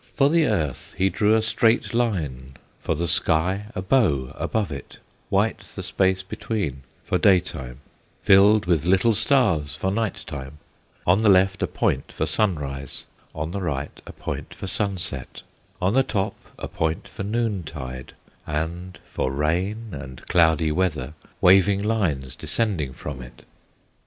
For the earth he drew a straight line, For the sky a bow above it; White the space between for daytime, Filled with little stars for night time; On the left a point for sunrise, On the right a point for sunset, On the top a point for noontide, And for rain and cloudy weather Waving lines descending from it.